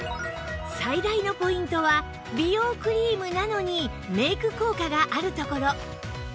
最大のポイントは美容クリームなのにメイク効果があるところ